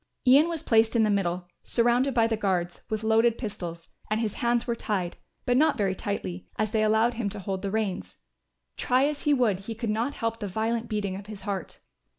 Ian was placed in the middle, surrounded by the guards, with loaded pistols, and his hands were tied, but not very tightly, as they allowed him to hold the reins. Try as he would he could not help the violent beating of his heart.